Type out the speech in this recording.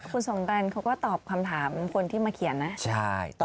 คุณสงตันเขาก็ตอบคำถามคนที่มาเขียนนะ